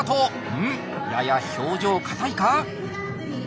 うん？やや表情硬いか？